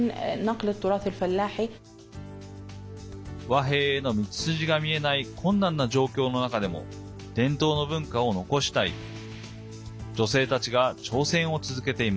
和平への道筋が見えない困難な状況の中でも伝統の文化を残したい。